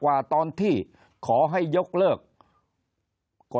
คนในวงการสื่อ๓๐องค์กร